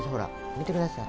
見てください。